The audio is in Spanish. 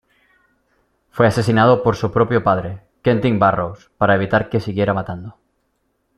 Fue asesinado por su propio padre, Quentin Barrows, para evitar que siguiera matando.